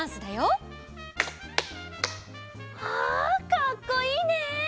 かっこいいね！